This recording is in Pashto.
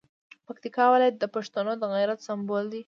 پکتیکا ولایت د پښتنو د غیرت سمبول دی.